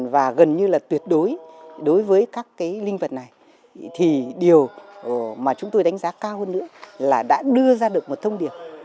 và gần như là tuyệt đối đối với các cái linh vật này thì điều mà chúng tôi đánh giá cao hơn nữa là đã đưa ra được một thông điệp